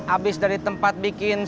abis dari tempat bikin